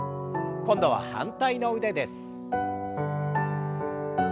今度は反対の腕です。